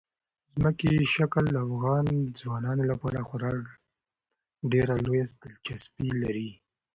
ځمکنی شکل د افغان ځوانانو لپاره خورا ډېره لویه دلچسپي لري.